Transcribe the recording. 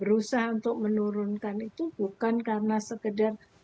berusaha untuk menurunkan itu bukan karena sekedar